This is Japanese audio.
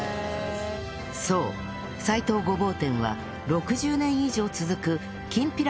そう斉藤牛蒡店は６０年以上続くきんぴら